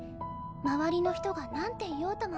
周りの人が何て言おうとも